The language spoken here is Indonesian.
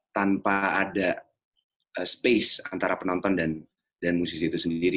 tanpa ada space antara penonton dan musisi itu sendiri